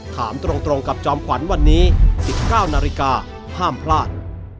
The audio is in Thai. ถามตรงกับจอมขวัญวันนี้๑๙นาฬิกาห้ามพลาด